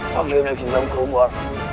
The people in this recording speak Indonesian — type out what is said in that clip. paling tidak bisa kembar